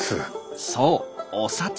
そう「お札」。